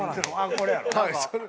これやろ？